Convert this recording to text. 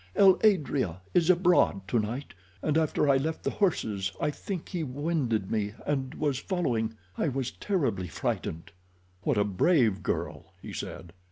"El adrea is abroad tonight, and after I left the horses I think he winded me and was following—I was terribly frightened." "What a brave girl," he said.